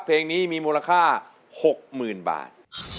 เพลงนี้มีมูลค่า๖๐๐๐บาท